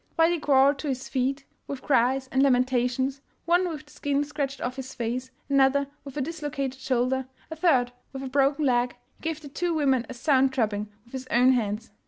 While they crawled to his feet with cries and lamentations, one with the skin scratched off his face, another with a dislocated shoulder, a third with a broken leg, he gave the two women a sound drubbing with his own hands.